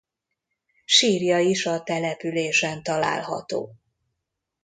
Sírja is a településen található.